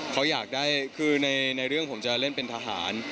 เขาอยากได้คือในเรื่องผมจะเล่นเป็นทหาร